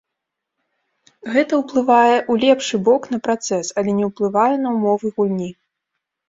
Гэта ўплывае ў лепшы бок на працэс, але не ўплывае на ўмовы гульні.